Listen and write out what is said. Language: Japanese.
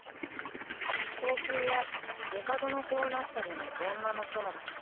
後宮は帝の子をなすための女の園だ